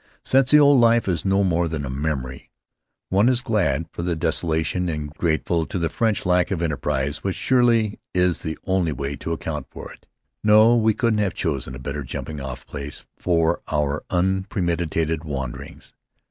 Since the old life is no more than a memory, one is glad for the desolation, and grateful to the French lack of enterprise which surely is the only way to account for it. No, we couldn't have chosen a better jumping off place for our unpremeditated wanderings.